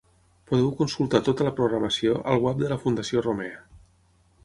Podeu consultar tota la programació, al web de la Fundació Romea.